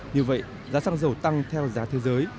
như vậy giá xăng dầu tăng theo giá thế giới